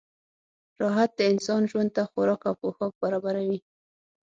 راعت د انسان ژوند ته خوراک او پوښاک برابروي.